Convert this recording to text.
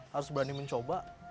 harus berani mencoba